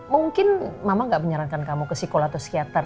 mungkin mama gak menyarankan kamu ke psikolog atau psikiater